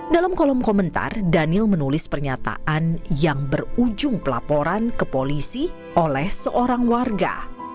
dalam kolom komentar daniel menulis pernyataan yang berujung pelaporan ke polisi oleh seorang warga